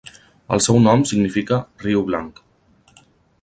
El seu nom significa 'riu Blanc'.